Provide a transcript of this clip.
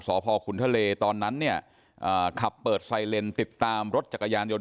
สพขุนทะเลตอนนั้นเนี่ยอ่าขับเปิดไซเลนติดตามรถจักรยานยนต